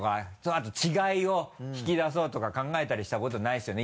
あと違いを引き出そうとか考えたりしたことないですよね？